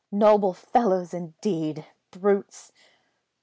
Noble fellows, indeed! Brutes!"